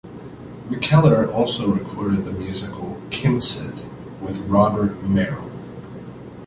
McKellar also recorded the musical "Kismet" with Robert Merrill.